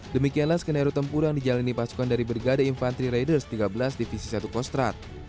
demikianlah skenario tempur yang dijalani pasukan dari brigade infanteri raiders tiga belas divisi satu kostrat